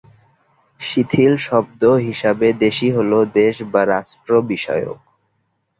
শিথিল শব্দ হিসাবে দেশী হলো দেশ বা রাষ্ট্র বিষয়ক।